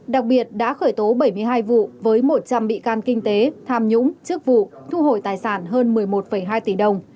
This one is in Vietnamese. đặc biệt đã khởi tố bảy mươi hai vụ với một trăm linh bị can kinh tế tham nhũng chức vụ thu hồi tài sản hơn một mươi một hai tỷ đồng